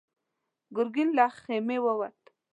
ګرګين له خيمې ووت.